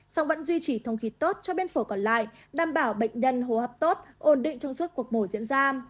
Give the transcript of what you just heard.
song vẫn duy trì thông khí tốt cho biên phổi còn lại đảm bảo bệnh nhân hô hấp tốt ổn định trong suốt cuộc mổ diễn ra